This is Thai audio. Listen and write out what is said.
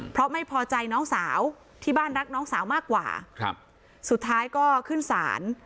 เพราะไม่พอใจน้องสาวที่บ้านรักน้องสาวมากกว่าครับสุดท้ายก็ขึ้นศาล